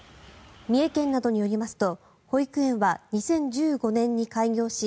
三重県などによりますと保育園は２０１５年に開業し